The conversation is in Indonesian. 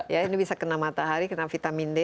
ya ini bisa kena matahari kena vitamin d